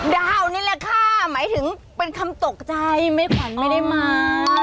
ดาวนี่แหละค่ะหมายถึงเป็นคำตกใจไม่ขวัญไม่ได้มา